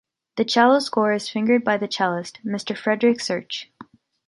The cello score is fingered by the cellist, Mr. Frederick Search.